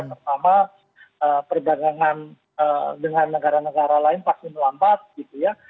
pertama perdagangan dengan negara negara lain pasti melambat gitu ya